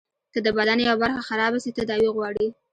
که د بدن يوه برخه خرابه سي تداوي غواړي.